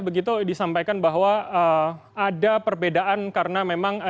begitu disampaikan bahwa ada perbedaan karena memang